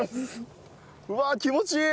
うわっ気持ちいい。